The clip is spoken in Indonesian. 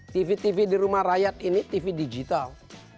tv tv di rumah rakyat ini tv digital